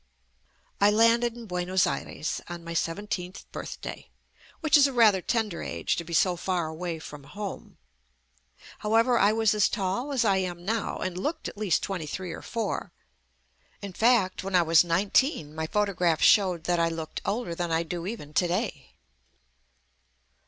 I landed in Buenos Aires on my seventeenth birthday, which is a rather tender age to be so far away from home. However, I was as tall as I am now and looked at least twenty three or four. In fact, when I was nineteen my photographs show that I looked older than I do even to day.